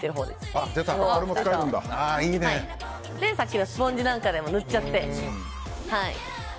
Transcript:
さっきのスポンジでも塗っちゃって。